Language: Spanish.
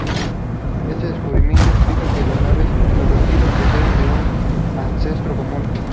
Este descubrimiento implica que las aves y los reptiles proceden de un ancestro común.